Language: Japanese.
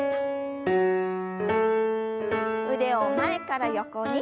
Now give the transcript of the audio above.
腕を前から横に。